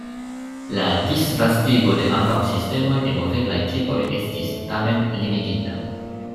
La disvastigo de ambaŭ sistemoj de moveblaj tipoj estis, tamen, limigita.